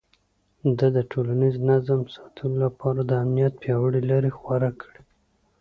ده د ټولنيز نظم ساتلو لپاره د امنيت پياوړې لارې غوره کړې.